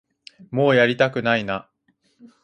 もうやりたくないな